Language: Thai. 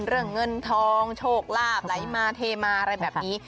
เรื่องเงินทองโชคลาภไหลมาเทมาอะไรแบบนี้